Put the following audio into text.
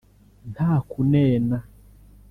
nta kunena”